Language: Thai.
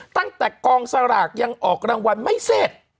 ตั้งแต่กองสลากยังออกรางวัลไม่เสร็จ